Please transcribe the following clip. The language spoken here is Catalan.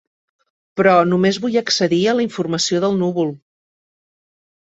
Però només vull accedir a la informació del núvol.